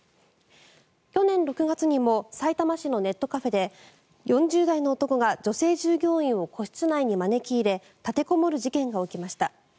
去年６月にもさいたま市のネットカフェで４０代の男が女性従業員を個室内に招き入れ立てこもる事件が起きました。